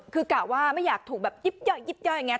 คือกะว่าไม่อยากถูกแบบยิบย่อยอย่างเงี่ย